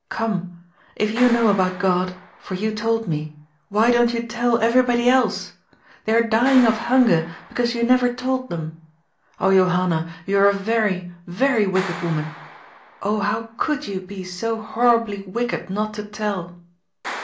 Come ! If you know about God, for you told me, why don't you tell everybody else ? They are dying of hunger because you never told them. Oh Johanna, you are a very, very wicked woman ! Oh, how could you be so horribly wicked not to tell